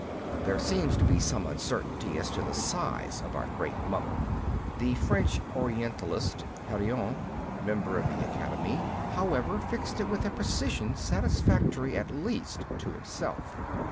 There seems to be some uncertainty as to the size of our great • mother. The French orientalist, Henrion, member of the Academy, however, fixed it with a precision satisfactory, at least, to himself.